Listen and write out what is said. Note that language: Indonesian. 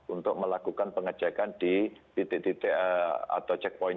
untuk melakukan pengecekan di bttt atau checkpoint